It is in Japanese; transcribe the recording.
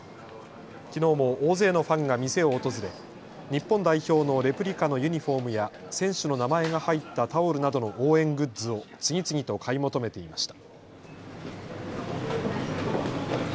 きのうも大勢のファンが店を訪れ、日本代表のレプリカのユニフォームや選手の名前が入ったタオルなどの応援グッズを次々と買い求めていました。